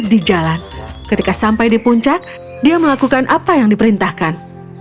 ketika victor menemukan domba dia melakukan apa yang diperintahkan